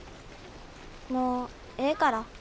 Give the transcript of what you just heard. もうええから。